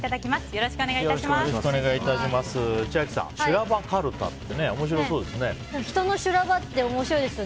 よろしくお願いします。